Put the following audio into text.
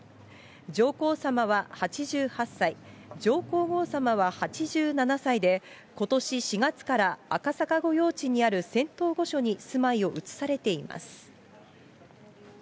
上皇さまは８８歳、上皇后さまは８７歳で、ことし４月から、赤坂御用地にある仙洞御所に住まいを移されています。